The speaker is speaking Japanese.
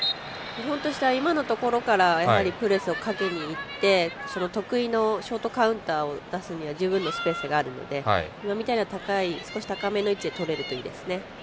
今のところからプレスをかけにいって得意のショートカウンターを出すには十分なスペースがあるので今みたいな少し高めな位置でとれるといいですね。